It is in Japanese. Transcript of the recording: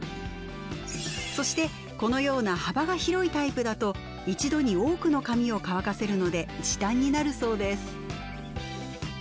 そしてこのような幅が広いタイプだと一度に多くの髪を乾かせるので時短になるそうです。